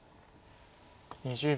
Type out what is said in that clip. ２０秒。